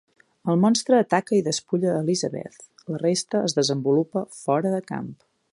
El monstre ataca i despulla Elizabeth, la resta es desenvolupa fora de camp.